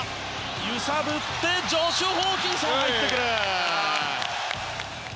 揺さぶってジョシュ・ホーキンソン入ってくる！